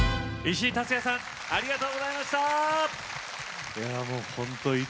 石井竜也さんありがとうございました。